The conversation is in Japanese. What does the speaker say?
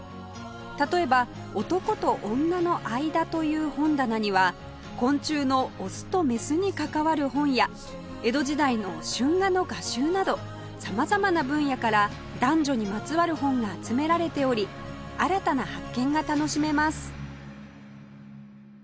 例えば「男と女のあいだ」という本棚には昆虫のオスとメスに関わる本や江戸時代の春画の画集など様々な分野から男女にまつわる本が集められており新たな発見が楽しめます